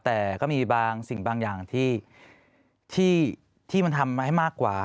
แต่ก็มีบางสิ่งบางอย่างที่มันทำให้มากกว่า